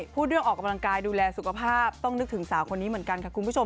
พูดเรื่องออกกำลังกายดูแลสุขภาพต้องนึกถึงสาวคนนี้เหมือนกันค่ะคุณผู้ชม